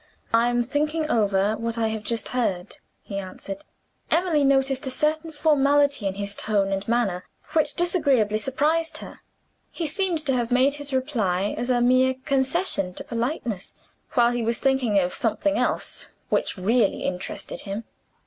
"I am thinking over what I have just heard," he answered. Emily noticed a certain formality in his tone and manner, which disagreeably surprised her. He seemed to have made his reply as a mere concession to politeness, while he was thinking of something else which really interested him.